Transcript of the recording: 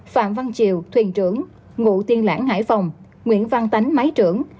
phạm văn triều thuyền trưởng ngụ tiên lãng hải phòng nguyễn văn tán máy trưởng